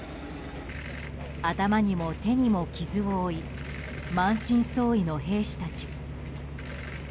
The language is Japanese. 頭にも手にも傷を負い満身創痍の兵士たち。